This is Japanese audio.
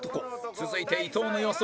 続いて伊藤の予想